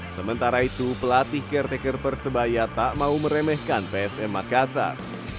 sementara itu pelatih caretaker persebaya tak mau meremehkan psm makassar